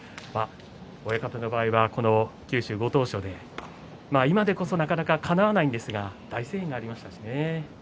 親方の場合は九州ご当所で今でこそなかなかかなわないんですが大声援がありましたね。